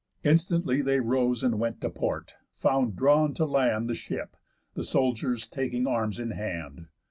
Instantly They rose, and went to port; found drawn to land The ship, the soldiers taking arms in hand.